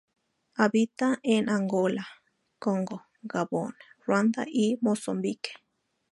Habita en Angola, Congo, Gabón, Ruanda y Mozambique.